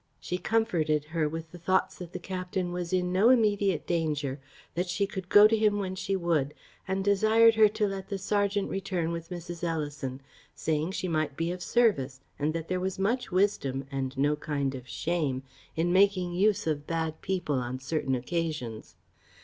She comforted her with the thoughts that the captain was in no immediate danger; that she could go to him when she would; and desired her to let the serjeant return with Mrs. Ellison, saying she might be of service, and that there was much wisdom, and no kind of shame, in making use of bad people on certain occasions.